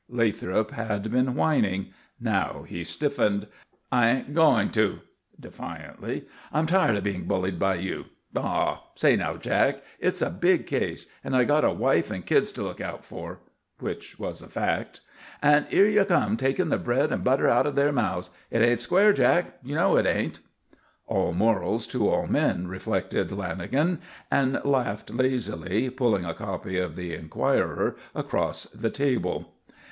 Lathrop had been whining. Now he stiffened. "I ain't going to," defiantly; "I'm tired o' being bullied by you. Aw, say now, Jack, it's a big case. And I got a wife and kids to look out for" which was a fact "and here you come taking the bread and butter out of their mouths. It ain't square, Jack; you know it ain't." All morals to all men, reflected Lanagan, and laughed lazily, pulling a copy of the Enquirer across the table.